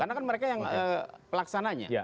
karena kan mereka yang pelaksananya